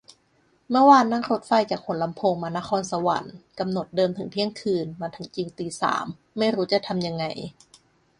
เมื่อวานนั่งรถไฟจากหัวลำโพงมานครสวรรค์ กำหนดเดิมถึงเที่ยงคืน มาถึงจริงตีสาม ไม่รู้จะทำยังไง